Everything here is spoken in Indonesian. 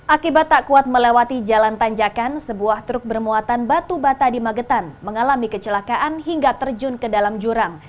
akibat tak kuat melewati jalan tanjakan sebuah truk bermuatan batu bata di magetan mengalami kecelakaan hingga terjun ke dalam jurang